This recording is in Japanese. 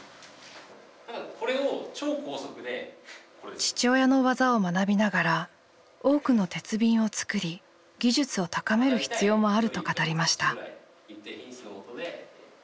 父親の技を学びながら多くの鉄瓶を作り技術を高める必要もあると語りました。